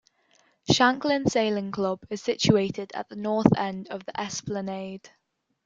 Shanklin Sailing Club is situated at the North end of the Esplanade.